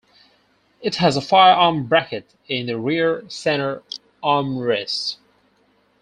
It has a firearm bracket in the rear center armrest.